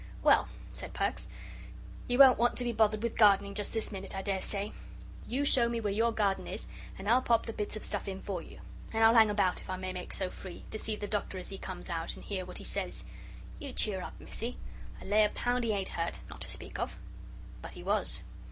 "Well," said Perks, "you won't want to be bothered with gardening just this minute, I dare say. You show me where your garden is, and I'll pop the bits of stuff in for you. And I'll hang about, if I may make so free, to see the Doctor as he comes out and hear what he says. You cheer up, Missie. I lay a pound he ain't hurt, not to speak of." But he was.